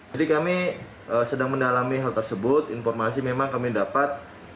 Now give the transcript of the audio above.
jadi kami sedang mendalami hal tersebut informasi memang kami dapat